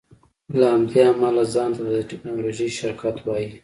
له همدې امله ځان ته د ټیکنالوژۍ شرکت وایې